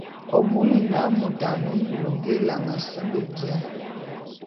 W'abuni na môt a ne ngul nge élan à se be bia?